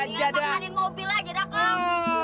inget makanin mobil aja dah kong